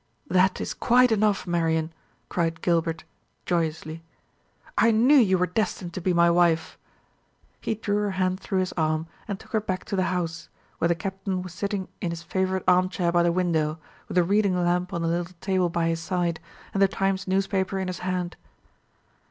"That is quite enough, Marian!" cried Gilbert, joyously. "I knew you were destined to be my wife." He drew her hand through his arm and took her back to the house, where the Captain was sitting in his favourite arm chair by the window, with a reading lamp on the little table by his side, and the Times newspaper in his hand.